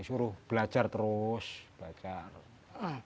suruh belajar terus belajar